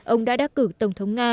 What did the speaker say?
ông đã đắc cử tổng thống nga